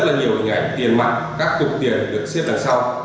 có rất nhiều hình ảnh tiền mạng các cục tiền được xếp đằng sau